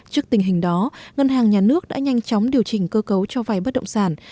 trước tình hình đó ngân hàng nhà nước đã nhanh chóng điều chỉnh cơ cấu cho vay bất động sản